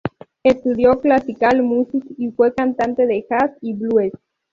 Estudió classical music y fue cantante de jazz y blues.